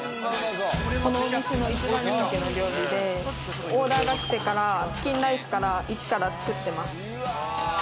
このお店の一番人気の料理で、オーダーが来てから、チキンライスからイチから作ってます。